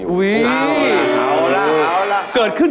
ถามพี่ปีเตอร์